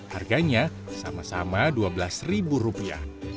harganya sama sama dua belas ribu rupiah